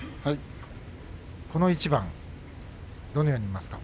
この一番どのように見ますか？